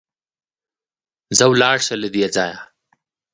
ځه ولاړ شه له دې ځايه!